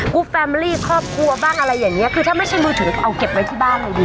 แฟมลี่ครอบครัวบ้างอะไรอย่างเงี้คือถ้าไม่ใช่มือถือเอาเก็บไว้ที่บ้านเลยดี